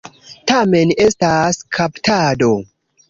Tamen estas kaptado.